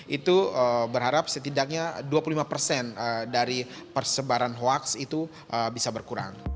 itu berharap setidaknya dua puluh lima persen dari persebaran hoax itu bisa berkurang